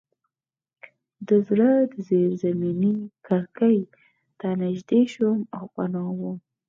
زه د زیرزمینۍ کړکۍ ته نږدې شوم او پناه وم